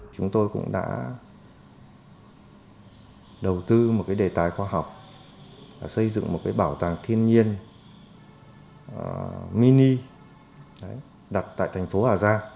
chúng tôi cũng đã đầu tư một cái đề tài khoa học xây dựng một bảo tàng thiên nhiên mini đặt tại thành phố hà giang